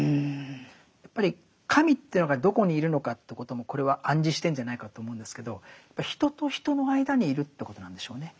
やっぱり神というのがどこにいるのかということもこれは暗示してるんじゃないかと思うんですけどやっぱ人と人の間にいるということなんでしょうね。